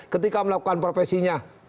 ketika melakukan profesinya